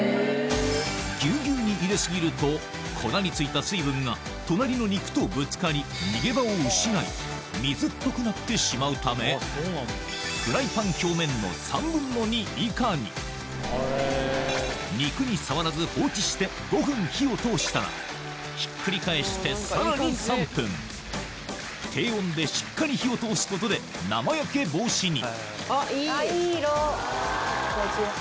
ギュウギュウに入れ過ぎると粉に付いた水分が隣の肉とぶつかり逃げ場を失い水っぽくなってしまうため肉に触らず放置して５分火を通したらひっくり返してさらに３分低温でしっかり火を通すことで生焼け防止にあっいい！